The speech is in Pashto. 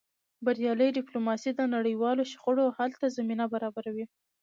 بریالۍ ډیپلوماسي د نړیوالو شخړو حل ته زمینه برابروي.